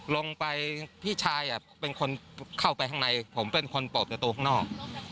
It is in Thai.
ลงไปพี่ชายอ่ะเป็นคนเข้าไปข้างในผมเป็นคนปกติตรงข้างนอก